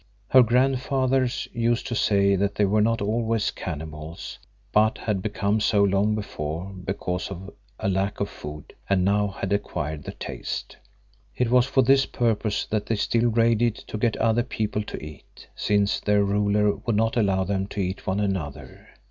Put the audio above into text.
Her grandfathers used to say that they were not always cannibals, but had become so long before because of a lack of food and now had acquired the taste. It was for this purpose that they still raided to get other people to eat, since their ruler would not allow them to eat one another.